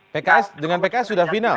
pks dengan pks sudah final